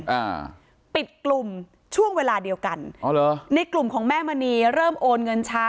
อ่าปิดกลุ่มช่วงเวลาเดียวกันอ๋อเหรอในกลุ่มของแม่มณีเริ่มโอนเงินช้า